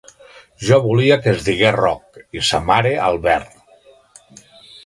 Jo volia que es digués Roc i sa mare Albert.